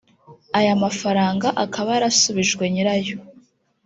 Aya mafaranga akaba yarasubijwe nyirayo